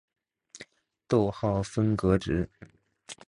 逗号分隔值。